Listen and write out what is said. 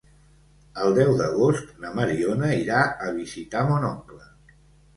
El deu d'agost na Mariona irà a visitar mon oncle.